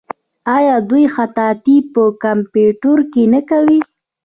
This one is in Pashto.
آیا دوی خطاطي په کمپیوټر کې نه کوي؟